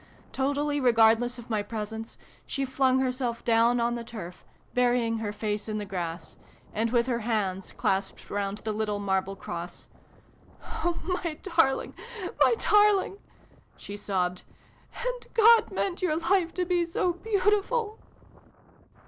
Totally regardless of my presence, she flung herself XIX] A FAIRY DUET. down on the turf, burying her face in the grass, and with her hands clasped round the little marble cross, " Oh, my darling, my darling !" she sobbed. " And God meant your life to be so beautiful